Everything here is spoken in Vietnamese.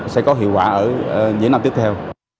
sẽ có hiệu quả ở những năm tiếp theo